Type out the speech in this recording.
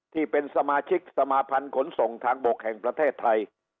ที่เป็นสมาชิกสมาพันธ์ขนส่งทางบกแห่งประเทศไทย